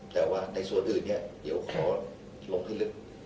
แต่ว่าในส่วนอื่นเดี๋ยวขอลงขึ้นลึก